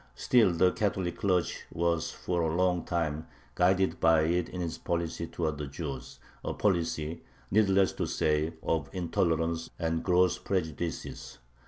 Still the Catholic clergy was for a long time guided by it in its policy towards the Jews, a policy, needless to say, of intolerance and gross prejudices.